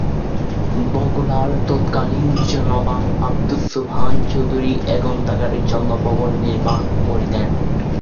বগুড়ার তৎকালীন নবাব আব্দুস সোবহান চৌধুরী এ গ্রন্থাগারের জন্য ভবন নির্মাণ করে দেন।